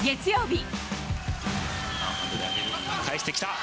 返してきた。